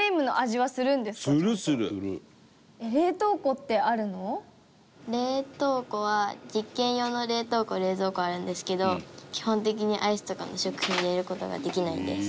冷凍庫は実験用の冷凍庫冷蔵庫はあるんですけど基本的にアイスとかの食品入れる事ができないんです。